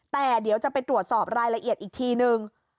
แต่เดี๋ยวจะไปตรวจสอบรายละเอียดอีกทีนึง